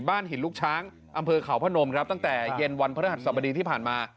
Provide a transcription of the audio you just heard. หินลูกช้างอำเภอเขาพนมครับตั้งแต่เย็นวันพระรหัสสบดีที่ผ่านมา